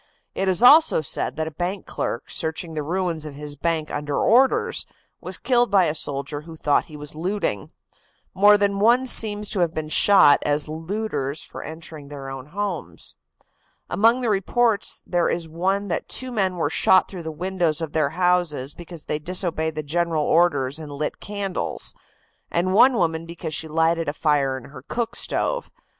It is also said that a bank clerk, searching the ruins of his bank under orders, was killed by a soldier who thought he was looting. More than one seems to have been shot as looters for entering their own homes. Among the reports there is one that two men were shot through the windows of their houses because they disobeyed the general orders and lit candles, and one woman because she lighted a fire in her cook stove.